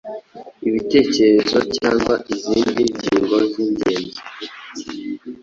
ibitekerezo cyangwa izindi ngingo zingenzi